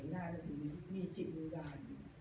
น่าจะมีจิตมือการ